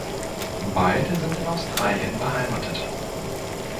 Beide sind in Australien beheimatet.